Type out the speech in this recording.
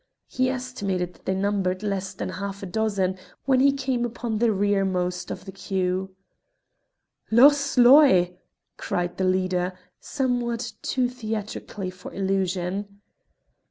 He estimated that they numbered less than half a dozen when he came upon the rear most of the queue. "Loch Sloy!" cried the leader, somewhat too theatrically for illusion.